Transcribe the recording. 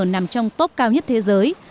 nằm trong top cao nhất thế giới